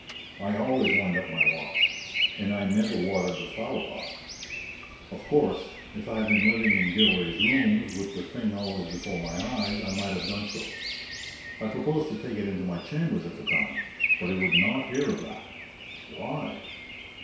I always wind up my watch, and I never watered the flower pot. Of course, if I had been living in Gilray's rooms with the thing always before my eyes I might have done so. I proposed to take it into my chambers at the time, but he would not hear of that. Why?